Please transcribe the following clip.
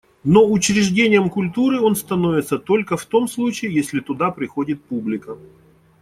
Но учреждением культуры он становится только в том случае, если туда приходит публика.